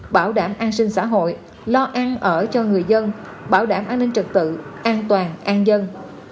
bảo đảm an sinh xã hội lo ăn ở cho người dân bảo đảm an ninh trật tự an toàn an dân